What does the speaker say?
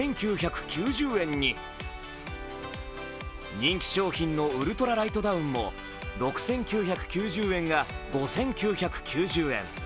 人気商品のウルトラライトダウンも６９９０円が５９９０円。